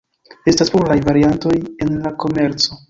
Estas pluraj variantoj en la komerco.